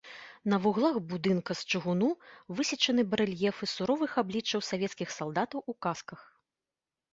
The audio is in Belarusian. На вуглах будынка з чыгуну высечаны барэльефы суровых абліччаў савецкіх салдатаў у касках.